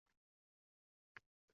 uy -joy